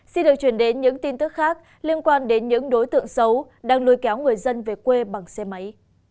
xin được chuyển đến những tin tức khác liên quan đến những đối tượng xấu đang nuôi kéo người dân về quê bằng xe máy